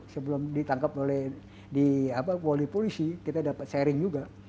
sebelum ditangkap oleh polisi kita dapat sharing juga